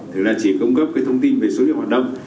thì là chỉ cung cấp thông tin về số liệu hoạt động